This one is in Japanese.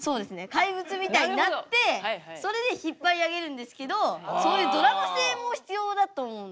怪物みたいになってそれで引っ張り上げるんですけどそういうドラマ性も必要だと思うので。